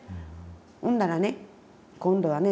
ほんだらね今度はね